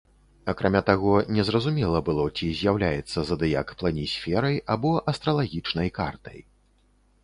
Акрамя таго, незразумела было, ці з'яўляецца задыяк планісферай або астралагічнай картай.